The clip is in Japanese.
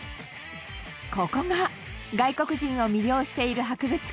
ここが外国人を魅了している博物館。